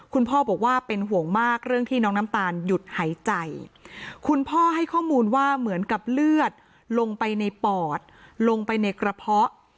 คุณพ่อบอกว่าเป็นห่วงมากเรื่องที่น้องน้ำตาลหยุดหายใจคุณพ่อให้ข้อมูลว่าเหมือนกับเลือดลงไปในปอดลงไปในกระเพาะ